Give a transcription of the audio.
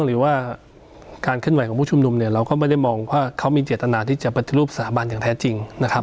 หรือว่าการเคลื่อนไหวของผู้ชุมนุมเนี่ยเราก็ไม่ได้มองว่าเขามีเจตนาที่จะปฏิรูปสถาบันอย่างแท้จริงนะครับ